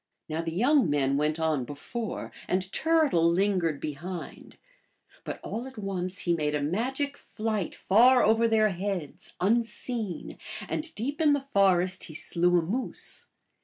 Now the young men went on before, and Turtle lingered behind; but all at once he made a imigic flight far over their heads, unseen, and deep in/ the forest he slew a moose.